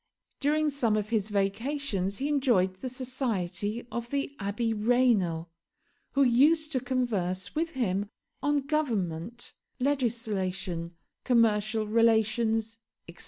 During some of his vacations he enjoyed the society of the Abby Raynal, who used to converse with him on government, legislation, commercial relations, etc.